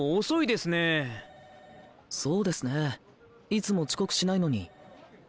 そうですねいつも遅刻しないのに。